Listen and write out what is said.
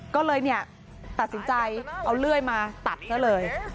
ก็เลยตัดสินใจเอาเลื่อยมาตัดซะเลย